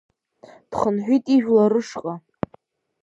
Дхынҳәит ижәлар рышҟа.